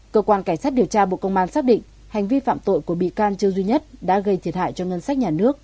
cơ quan cảnh sát điều tra bộ công an xác định hành vi phạm tội của bị can trương duy nhất đã gây thiệt hại cho ngân sách nhà nước